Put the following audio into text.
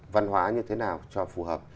văn hóa như thế nào cho phù hợp